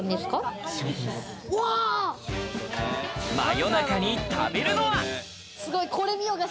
夜中に食べるのは。